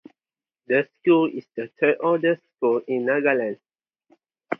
The school is the third oldest school in Nagaland.